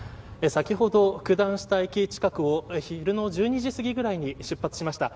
先ほど九段下駅近くを昼の１２時過ぎくらいに出発しました。